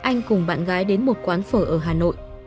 anh cùng bạn gái đến một quán phở ở hà nội